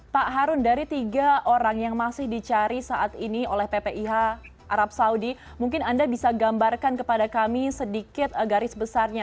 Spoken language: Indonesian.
pak harun dari tiga orang yang masih dicari saat ini oleh ppih arab saudi mungkin anda bisa gambarkan kepada kami sedikit garis besarnya